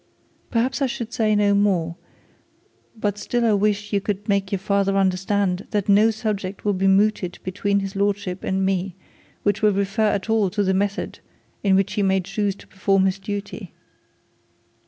Perhaps I should say no more, but still I wish you could make your father understand that no subject will be mooted between his lordship and him, which will refer at all to the method in which he may choose to perform his duty.